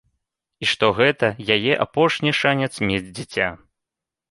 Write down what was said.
І што гэта яе апошні шанец мець дзіця.